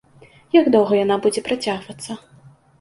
Як доўга яна будзе працягвацца?